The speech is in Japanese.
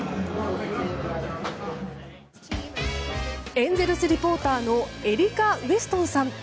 エンゼルスリポーターのエリカ・ウエストンさん。